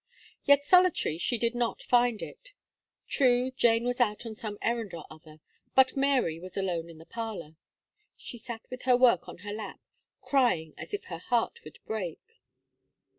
Yet solitary she did not find it. True, Jane was out on some errand or other, but Mary was alone in the parlour. She sat with her work on her lap, crying as if her heart would break.